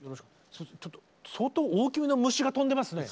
相当大きめの虫が飛んでますね。